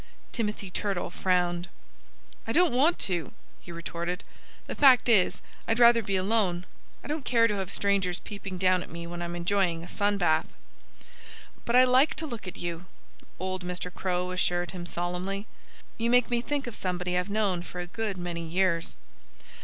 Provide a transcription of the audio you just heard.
Timothy Turtle frowned. "I don't want to," he retorted. "The fact is, I'd rather be alone. I don't care to have strangers peeping down at me when I'm enjoying a sun bath." "But I like to look at you," old Mr. Crow assured him solemnly. "You make me think of somebody I've known for a good many years."